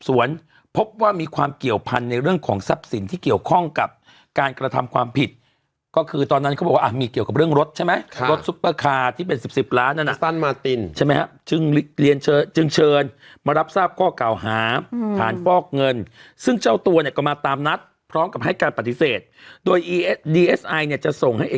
ว่ามีความเกี่ยวพันธุ์ในเรื่องของทรัพย์สินที่เกี่ยวข้องกับการกระทำความผิดก็คือตอนนั้นเขาบอกว่ามีเกี่ยวกับเรื่องรถใช่ไหมค่ะรถซุปเปอร์คาร์ที่เป็นสิบสิบล้านนั่นน่ะตันมาตินใช่ไหมฮะจึงเรียนเชิญจึงเชิญมารับทราบข้อกล่าวหาฐานฟอกเงินซึ่งเจ้าตัวเนี่ยก็มาตามนัดพร้อมกับให